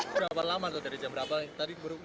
berapa lama dari jam berapa